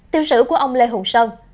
tiêu sử của ông lê hùng sơn